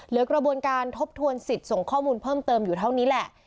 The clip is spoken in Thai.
กระบวนการทบทวนสิทธิ์ส่งข้อมูลเพิ่มเติมอยู่เท่านี้แหละ